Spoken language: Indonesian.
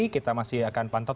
kita masih akan pantau